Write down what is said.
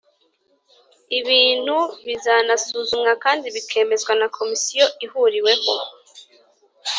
ibintu “bizanasuzumwa kandi bikemezwa na komisiyo ihuriweho